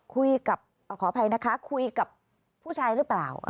ขออภัยนะคะคุยกับผู้ชายหรือเปล่า